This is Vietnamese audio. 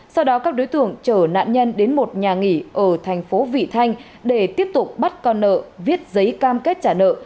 sau đó các đối tượng chở nạn nhân đến một nhà nghỉ ở thành phố vị thanh để tiếp tục bắt con nợ viết giấy cam kết trả nợ